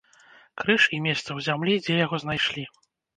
Крыж і месца ў зямлі, дзе яго знайшлі.